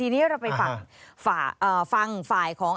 ทีนี้เราไปฟังฝ่ายของ